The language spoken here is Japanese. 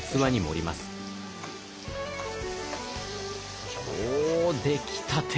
おお出来たて！